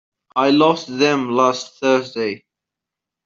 I lost them last Thursday.